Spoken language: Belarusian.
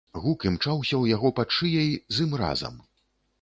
Гук імчаўся ў яго пад шыяй з ім разам.